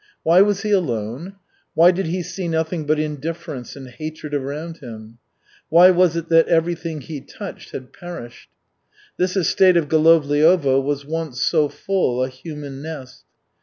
Why was he alone? Why did he see nothing but indifference and hatred around him? Why was it that everything he touched had perished? This estate of Golovliovo was once so full, a human nest.